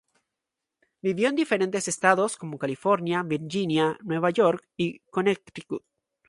Vivió en diferentes estados como California, Virginia, Nueva York y Connecticut.